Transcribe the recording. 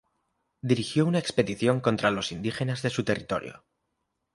Dirigió una expedición contra los indígenas de su territorio.